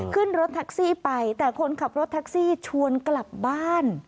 ขึ้นรถแท็กซี่ไปแต่คนขับรถแท็กซี่ชวนกลับบ้าน